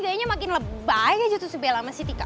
kayaknya makin lebay aja tuh si bel sama si tika